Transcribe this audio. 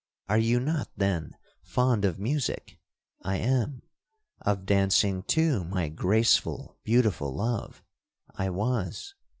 —are you not, then, fond of music?'—'I am.'—'Of dancing, too, my graceful, beautiful love?'—'I was.'